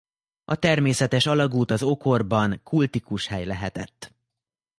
A természetes alagút az ókorban kultikus hely lehetett.